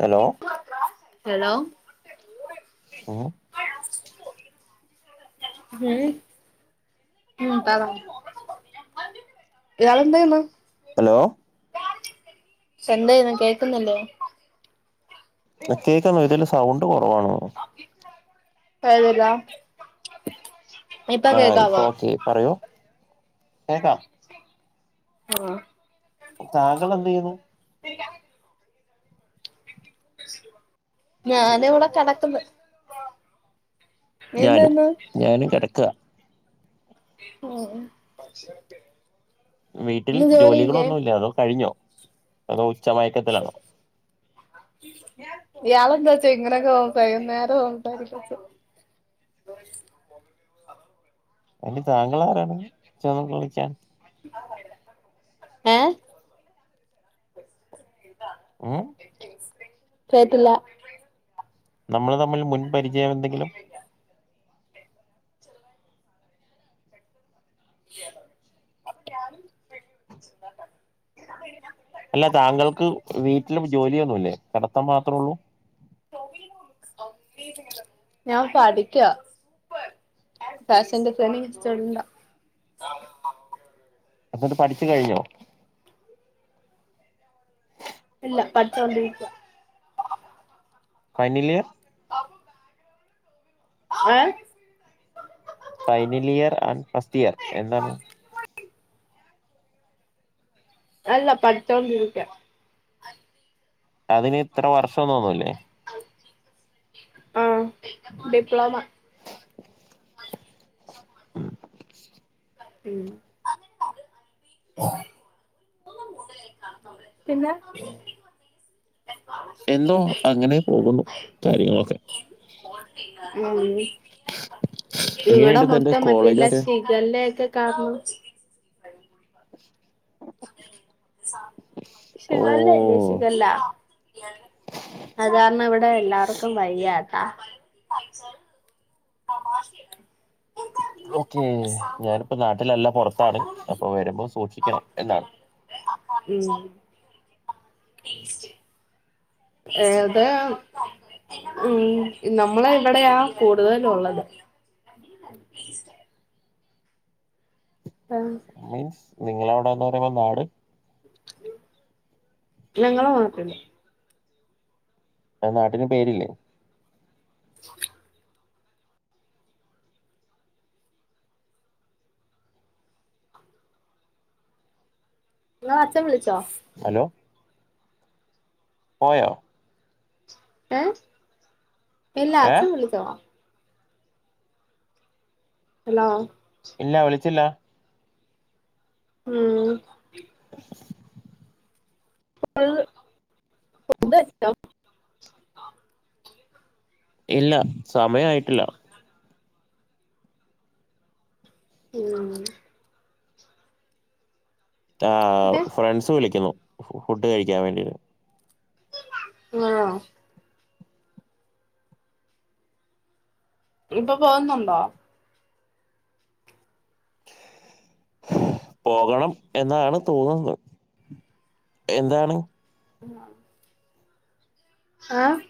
Hello hello ഹം [unintelligible] ഇയാളെന്തെയ്യുന്നു hello എന്തെയ്യുന്നു കേൾക്കുന്നില്ലേ കേക്കുന്നു ഇതില് സൗണ്ട് കുറവാണ് തോന്നുന്നു [inaudible] ആഹ് ഇപ്പൊ കേക്കാവോ ഓക്കെ പറഞ്ഞോ കേക്കാം ആഹ് താങ്കൾ എന്തെയ്യുന്നു [inaudible] ഞാൻ ഇവിടെ കടക്കന്ന് ഞാനും ഞാനും കെടക്ക്ആ ഹും-ഹും വീട്ടിൽ ജോലികളൊന്നുല്ലാ അതോ കഴിഞ്ഞോ അതോ ഉച്ചമയക്കത്തിലാണോ ഇയാളെന്താച്ച ഇങ്ങനൊക്കെ സംസാരിക്കുന്നെ നേരെ സംസാരിക്കച്ച [inaudible] അയിന് താങ്കളാരാണ് അച്ഛാന്നൊക്കെ വിളിക്കാൻ ഏ ഏഹ് കേട്ടില്ല നമ്മള് തമ്മിൽ മുൻപരിചയമെന്തെങ്കിലും [inaudible] അല്ല താങ്കൾക്ക് വീട്ടിലും ജോലിയൊന്നുല്ലേ കിടത്തം മാത്രോള്ളൂ ഞാൻ പഠിക്കാ ഫാഷൻ ഡിസൈനിങ് സ്റ്റുഡന്റാ എന്നിട്ട് പഠിച്ചു കയിഞ്ഞോ ഇല്ല പഠിച്ചോണ്ടിരിക്കാ ഫൈനലിയർ ഏ ഫൈനലിയർ ആൻഡ് ഫസ്റ്റിയർ എന്താണ് അല്ല പഠിച്ചോണ്ടിരിക്ക്ആ അതിന് ഇത്ര വർഷന്നൊന്നൂല്ലേ ആഹ് ഡിപ്ലോമ അത് പിന്നെ ഒരീസം [inaudible] ഉം പിന്നെ എന്തോ അങ്ങനെ പോകുന്നു കാര്യങ്ങളൊക്കെ ഉം ഇവിടെ എങ്ങനെയുണ്ട് തന്റെ മൊത്തം മറ്റേല്ലാ കോളേജൊക്കെ ഷിഗല്ലയെക്കെ കാർണം [unintelligible] ഓ ഷിഗല്ലയില്ലേ ഷിഗല്ല അതാർണ്ണവി വിടെ എല്ലാർക്കും വയ്യത്താ ഓക്കേ ഞാനിപ്പോ നാട്ടിലല്ല പൊറത്താണ് അപ്പൊ വരുമ്പൊ സൂക്ഷിക്കണം എന്നാണ് ഉം ഏഹ് ത് ഉം നമ്മളെ ഇവിടെയാ കൂടുതലുള്ളത് മീൻസ് നിങ്ങളവിടെന്ന് പറയുമ്പൊ നാട് നങ്ങളെ വാട്ടില് നആ ന്നാട്ടിന് പേരില്ലേ? ങ്ങളഅച്ഛൻ വിളിച്ചോ? ഹലോ പോയോ? ഏഹ് ഇല്ല ഏ അച്ഛൻ വിളിച്ചോ ഹ്ലോ ഇല്ല വിളിച്ചില്ല ഉം [inaudible] ഇല്ല സമയയ്‌ട്ടില്ല, ഉം- ആഹ് പിന്നെ ഫ്രൺസ് വിളിക്കുന്നു ഫുഡ് കഴിക്കാവേണ്ടീട്ട്- [unintelligible] ഇപ്പ പോകുന്നുണ്ടോ? [inaudible] പോകണം എന്നാണ് തോന്നുന്നെ എന്താണ്? [unintelligible] ആഹ് -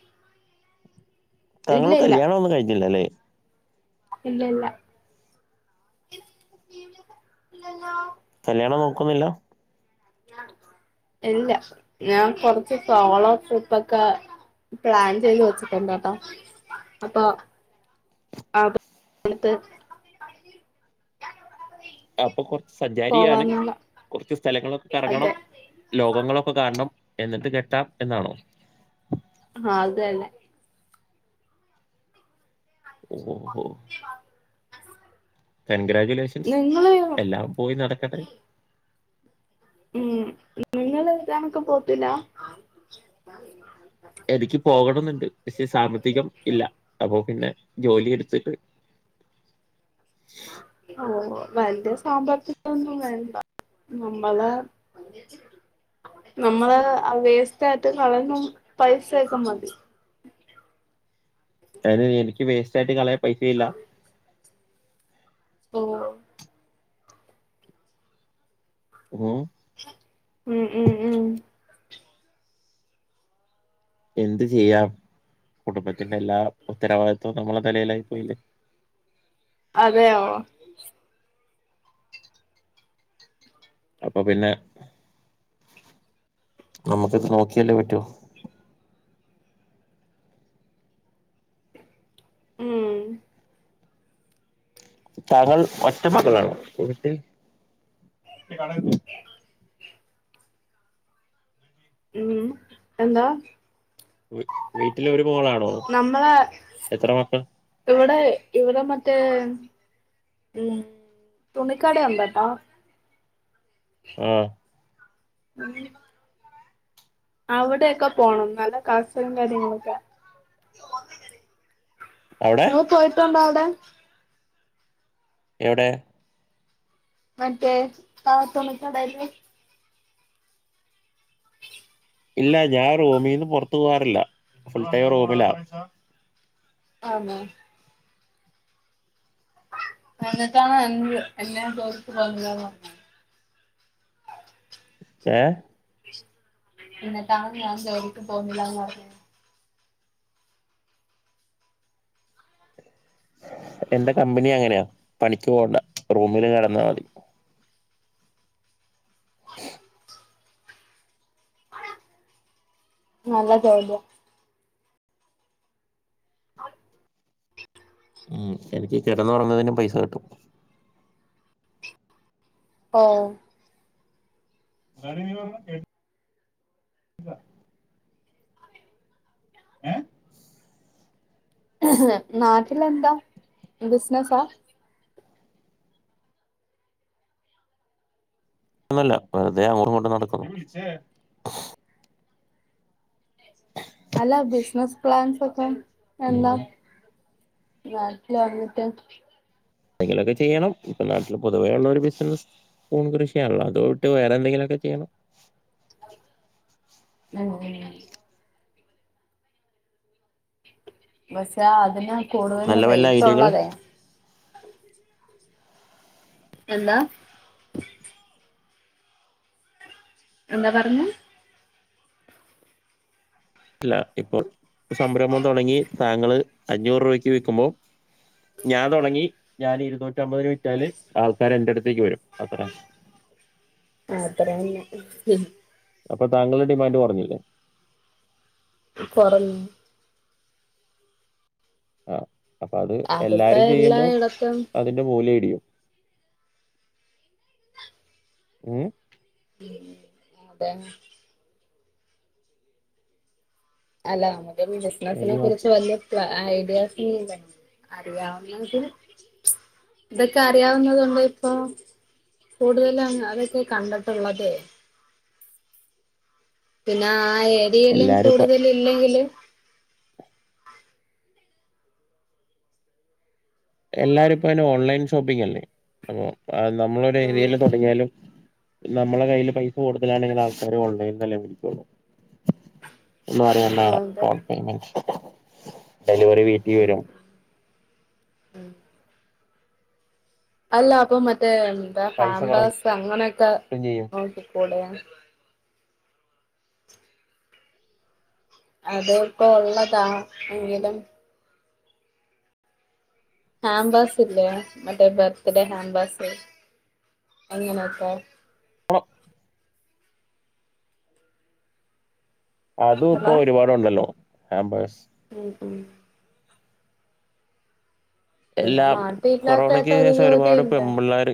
താങ്കൾ കല്യാണഒന്നും കഴിഞ്ഞില്ലല്ലേ? ഇല്ല ഇല്ല [unintelligible] കല്യാണം നോക്കുന്നില്ല- ഇല്ല ഞാൻ കൊർച്ച് സൊളോ ട്രിപ്പക്കെ- പ്ലാൻ ചെയ്ത് വെച്ചിട്ടൊണ്ട്ട്ടോ അപ്പൊ- [unintelligible] അപ്പൊ കൊർ സഞ്ചാരിയാണ് പോവാന്നുള്ള കൊർച്ച് സ്ഥലങ്ങളൊക്കെ കർങ്ങണം അതെ ലോകങ്ങളൊക്കെ കാൺണം- എന്നിട്ട് കെട്ടാം എന്നാണോ? ആഹ് അത് തന്നെ - [inaudible] കൺഗ്രാജുലേഷൻസ് നിങ്ങള് എല്ലാം പോയി നടക്കട്ടെ! ഉം നിങ്ങൾ ഇതാണക്ക് പോത്തില്ലാ- എനിക്ക് പോകണന്നുണ്ട് പസെ സാമ്പത്തികം ഇല്ല അപ്പൊ പിന്നെ ജോലി എടുത്തിട്ട് ഓ വല്ല്യ സാമ്പതിഗൊന്നും വേണ്ട ന്നമ്മള നമ്മള് അ വേസ്റ്റ് ആായിട്ട് കളയുന്ന പൈസ ഒക്കെ മതി [inaudible] അയ്‌ന് എനിക്ക് വേസ്റ്റയിട്ട് കളയ പൈസയില്ല ഓ മം ഉം ഉം ഉം എന്ത് ചെയ്യാം കുടുംബത്തിന്റെല്ലാം ഉത്തരവാദിത്തം നമ്മള തലയിലായി പോയില്ലേ! അതെയോ? അപ്പൊ പിന്നെ, നമ്മുക്ക് ഇത് നോക്കിയാലേ പറ്റു ഉം താങ്കൾ ഒറ്റ മകളണോ വീട്ടിൽ ഉം എന്താ വീട്ടിലൊരു മോളാണോ നമ്മളെ എത്ര മക്കൾ? ഇവിടെ ഇവിടെ മറ്റ റ്റ് ഉം തുണിക്കാട ഉണ്ട്ട്ടോ ഉം അ അവിടെൊക്കെ പോണം നല്ല കാസകം കാര്യങ്ങളൊക്കെ അവിടെ ങ്ങള് പോയിട്ടുണ്ടോ അവിടെ എവിടെ മറ്റേ ആ തുണിക്കടയില് ഇല്ല ഞാൻ റൂമിൽ നിന്ന് പുറത്തു പോകാറില്ല ഫുൾടൈം റൂമിലാ ആണോ എന്നിട്ടാണ് എന്ത് എന്നെ ജോലിക്ക് പോണ്ടാ പറഞ്ഞ് ഏ എന്നട്ടാ ഞാ ജോലിക്കും പോന്നില്ല എന്റെ കമ്പനി അങ്ങനെയാ പണിക്ക് പോണ്ട റൂമില് കടന്നാ മതി നല്ല ജോലി ആ ഉം എനിക്ക് കിടന്ന് ഒറങ്ങുന്നതിനും പൈസ കിട്ടും ഓ അറി നീവല്ല കേട്ട ഏ നാട്ടിലെന്താ ബിസിനസാ ന്നല്ല വെറുതെ അങ്ങോട്ടും ഇങ്ങോട്ടും നടക്കുന്നു അല്ല ബിസിനസ് പ്ലാൻസ് ഒക്കെ എന്താ ഉം നാട്ടില് വന്നിട്ട് എന്തെങ്കിലുമൊക്കെ ചെയ്യണം ഇപ്പൊ നാട്ടിൽ പൊതുവേ ഉുള്ള ഒരു ബിസിനസ്സ് പൂൺ കൃഷിയാണല്ലോ അതൊട്ട് വേറെ എന്തെങ്കിലുമൊക്കെ ചെയ്യണം [unintelligible] പക്ഷെ അതിനാ കൂടുതൽ നല്ല വല്ല ഐഡിയകൾ റൈറ്റുള്ളതേ എന്താ എന്താ പറഞ്ഞു അല്ല ഇപ്പോ സംരംഭം തുടങ്ങി താങ്കള് അഞ്ഞൂറ് രൂപയ്ക്ക് വിക്കുമ്പോം ഞാൻ തുടങ്ങി ഞാൻ ഇരുുന്നൂറ്റ അമ്പതിന് വിറ്റാല് ആൾക്കാര് എന്റെ അടുത്തേക്ക് വരും അത്ര അത്ര തന്നെ അപ്പൊ താങ്കളുടെ ഡിമാൻഡ് കൊറഞ്ഞില്ലേ- കൊറഞ്ഞു- ആഹ് അപ്പൊ അത് അതിപ്പോ എല്ലാരും ചെയ്യുമ്പോ എല്ലായിടത്തും അതിന്റെ മൂല്യം ഇടിയും ഉം ഉം അതെന്നെ അല്ല അമക്ക് വികസനത്തിലെ ഇനി ഓ- കുറിച്ച് വല്ലതും. ഐഡിയാസ് [unintelligible] [unintelligible] ഇതൊക്കെ അറിയാവുന്നതൊണ്ട് ഇപ്പൊ കൂടുതലും അതൊക്കെ കണ്ടിട്ടുള്ളത് പിന്നെ ആഹ് ഏരിയെയിലും എല്ലാരും ഇപ്പ കൂടുതല് ഇല്ലെങ്കില് എല്ലാരും ഇപ്പയ്ന് ഓൺലൈൻ ഷോപ്പിങ് അല്ലേ. അങ്ങ് നമ്മളൊരു ആഹ് രീതിയില് തൊടങ്ങിയാലും നമ്മളെ കയ്ല് പൈസ കൂടുതലാണെങ്കിൽ ആൾക്കാര് ഓൺലൈൻന്നല്ലേ വിളിക്കൊള്ളൂ അതെ [unintelligible] പെയ്മെൻ്റ് ഡെലിവറി വീട്ടി വരും അല്ല അപ്പൊ മറ്റേ എന്താ പൈസ കുറയ്ക്കുകയും ഹാമ്പാസ് അങ്ങനെയൊക്കെ ചെയ്യും നോക്കി കൂടെയാണ് അത് ഇപ്പോ ഒള്ളതാണ് എങ്കിലും ഹാമ്പാസ് ഇല്ലേ മറ്റേ ബർത്ത് ഡേ ഹാബാസ് തങ്ങനെ ഒക്കെ പോണം അതും ഇപ്പോ ഹലോ ഒരുപാടുണ്ടല്ലോ ഹേമ്പാ സ് ഉം ഉം പിന്നെ എല്ലാം നാട്ടി ഇല്ലാത്ത എത്ത [unintelligible] കൊറോണയ്ക്ക് ത്ത ഒരു [unintelligible] ശേഷം ഒരുപാട് [unintelligible] പെമ്പിള്ളേര്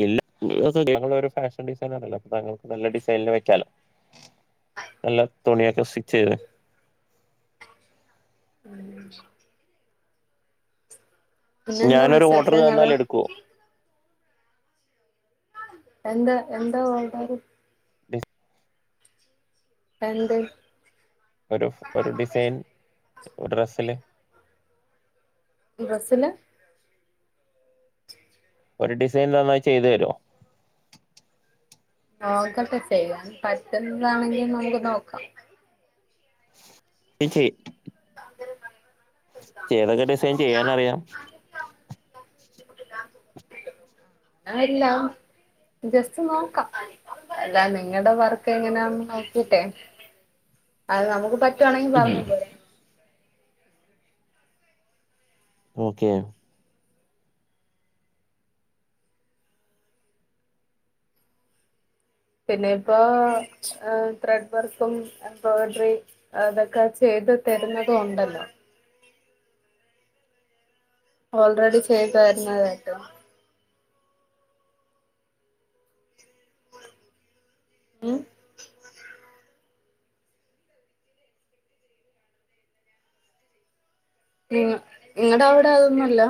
ഇല്ല [unintelligible] ഞങ്ങളൊരു ഫാഷൻ ഡിസൈനറല്ലോ അപ്പൊ താങ്കൾക്ക് നല്ല ഡിസൈൻല് വെക്കാലോ [inaudible] നല്ല തുണിയൊക്കെ സിച്ചയ്ത് ഉം പിന്നെന്താ ഞാനൊരു ഓർഡർ വിശേഷങ്ങള് തന്നാലെടുക്കോ എന്താ എന്താ ഓൾടറ് ഡിസ്‌ എന്ത് ഒരു ഒരുഡിസൈൻ ഡ്രസ്സില് ഡ്രസ്സില് ഒര് ഡിസൈൻതന്ന ചെയ്തര്രോ നോക്കട്ടെചെയ്യൻ പറ്റ്ന്നാണെങ്കി നമ്ക്ക് നോക്കാം നി ചെ ചേതക്കെ ഡിസൈൻ ചെയ്യാനറിയാം ആരില്ലാം ജസ്റ്റ് നോക്കാ അല്ല നിങ്ങട വർക്ക് എങ്ങനന്ന് നോക്കിട്ടെ അത് നമുക്ക് പറ്റുവാണെങ്കി പറഞ്ഞ പോരെ ഓക്കെ പിന്നെ ഇപ്പോ ഏഹ് ത്രെഡ് വർക്കും എംബോഡ്രി അതക്കെ ചെ യ്ത് തര്ന്നതുഒണ്ടല്ലോ ഓൾറെഡി ചെയ്തര്ന്നതാട്ട് മ് [unintelligible] നിങ്ങടെ അവിടെ അതൊന്നുംല്ല